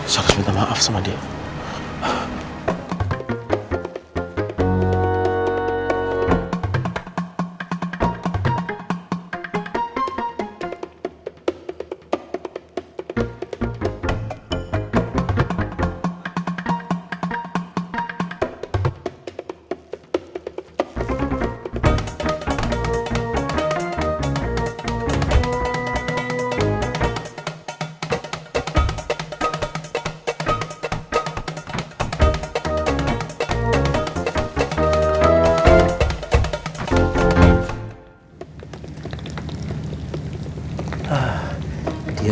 salah sebutan maaf sama dia